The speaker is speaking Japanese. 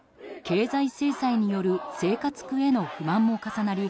経済制裁による生活苦への不満も重なり